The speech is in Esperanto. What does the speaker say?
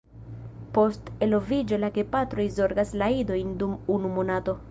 Post eloviĝo la gepatroj zorgas la idojn dum unu monato.